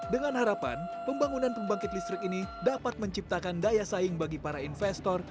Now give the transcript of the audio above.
dengan harapan pembangunan pembangkit listrik ini dapat menciptakan daya saing bagi para investor